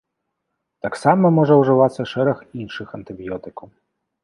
Таксама можа ўжывацца шэраг іншых антыбіётыкаў.